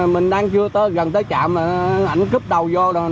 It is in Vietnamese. mình đang chưa gần tới trạm mà ảnh cúp đầu vô